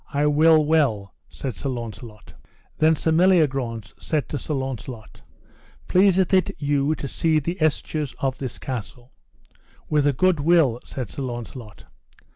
I will well, said Sir Launcelot. Then Sir Meliagrance said to Sir Launcelot: Pleaseth it you to see the estures of this castle? With a good will, said Sir Launcelot.